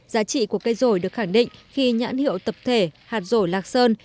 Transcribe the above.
giá trị của cây rổi được khẳng định khi nhãn hiệu tập thể hạt rổi lạc sơn